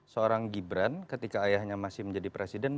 seorang gibran ketika ayahnya masih menjadi presiden